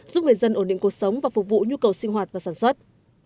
giúp người dân ổn định cuộc sống và phục vụ nhu cầu sinh hoạt và sản xuất